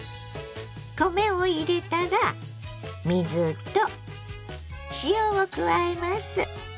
米を入れたら水と塩を加えます。